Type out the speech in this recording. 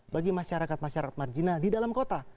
bagi masyarakat masyarakat marginal di dalam kota